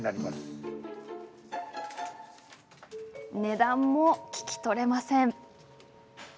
値段も聞き取れません。